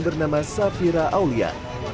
bernama safira aulia